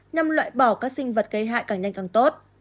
nhằm loại bỏ các sinh vật gây hại càng nhanh càng tốt